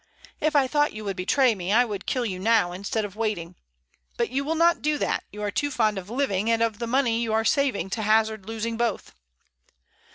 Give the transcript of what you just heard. If I thought you would betray me, I would kill you now, instead of waiting. But you will not do that; you are too fond of living and of the money you are saving to hazard losing both."